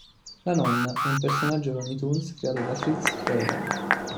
La nonna è un personaggio Looney Tunes creato da Friz Freleng.